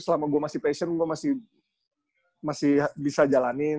selama gue masih passion gue masih bisa jalanin